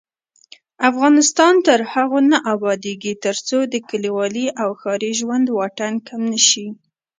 افغانستان تر هغو نه ابادیږي، ترڅو د کلیوالي او ښاري ژوند واټن کم نشي.